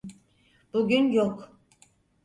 Bugün yok.